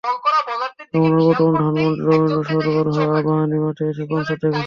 রমনার বটমূল, ধানমন্ডি রবীন্দ্র সরোবর হয়ে আবাহনী মাঠে এসে কনসার্ট দেখেছেন।